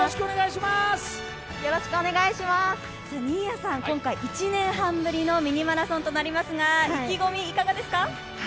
新谷さん、今回、１年半ぶりの「ミニマラソン」となりますが意気込み、いかがですか？